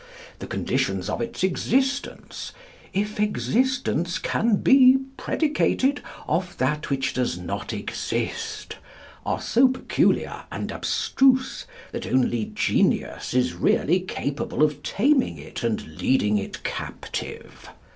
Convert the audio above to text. The conditions of its existence if existence can be predicated on that which does not exist are so peculiar and abstruse that only genius is really capable of taming it and leading it captive.